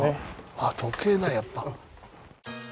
あっ時計だやっぱ。